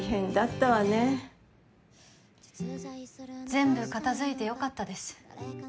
全部片づいてよかったです